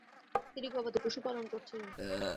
তিনি গবাদি পশু পালন করেছিলেন।